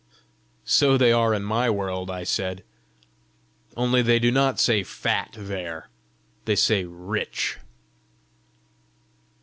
"So they are in my world," I said; "only they do not say FAT there, they say RICH."